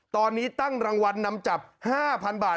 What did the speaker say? ตอนนี้ตั้งรางวัลนำจับ๕๐๐๐บาท